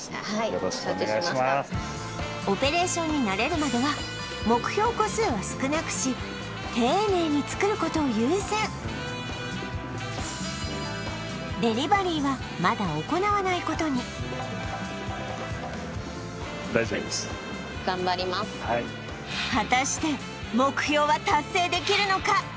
よろしくお願いしますオペレーションに慣れるまでは目標個数は少なくし丁寧に作ることを優先デリバリーはまだ行わないことに果たして目標は達成できるのか？